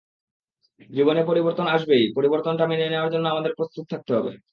জীবনে পরিবর্তন আসবেই, পরিবর্তনটা মেনে নেওয়ার জন্য আমাদের প্রস্তুত থাকতে হবে।